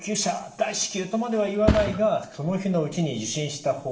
大至急！」とまでは言わないがその日のうちに受診した方がいい。